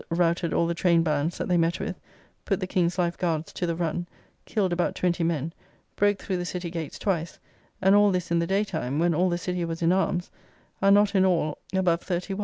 routed all the Trainbands that they met with, put the King's life guards to the run, killed about twenty men, broke through the City gates twice; and all this in the day time, when all the City was in arms; are not in all about 31.